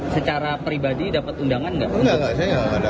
secara pribadi dapat undangan nggak untuk